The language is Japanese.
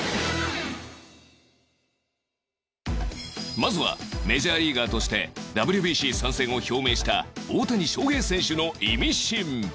まずはメジャーリーガーとして ＷＢＣ 参戦を表明した大谷翔平選手のイミシン